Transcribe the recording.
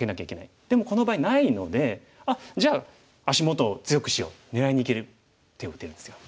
でもこの場合ないのであっじゃあ足元を強くしよう狙いにいける手を打てるんですよ。